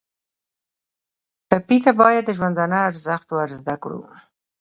ټپي ته باید د ژوندانه ارزښت ور زده کړو.